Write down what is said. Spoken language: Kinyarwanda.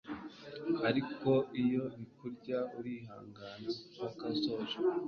Ariko iyo bikurya urihangana mpaka usoje